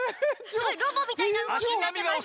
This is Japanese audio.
すごいロボみたいなうごきになってます。